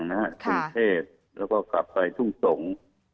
กรุงเทพแล้วก็กลับไปทุ่งสงศ์